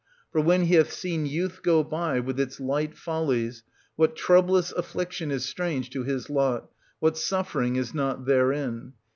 For when he hath seen youth go by, with its light follies, what troublous affliction is strange to his lot, 1230 what suffering is not therein?